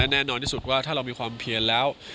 แน่นอนที่สุดว่าถ้าเรามีความเพียนแล้ว